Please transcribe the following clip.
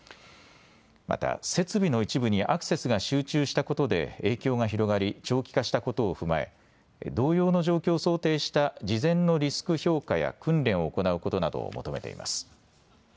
また設備の一部にアクセスが集中したことで影響が広がり長期化したことを踏まえ、同様の状況を想定した事前のリスク評価や訓練を行うことなどを求めています。